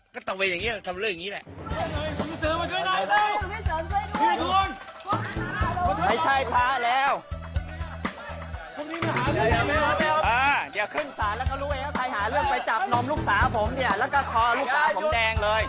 ก็ตะเวนอย่างนี้ทำเรื่องอย่างนี้แหละ